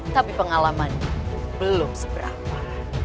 tapi pengalaman belum seberapa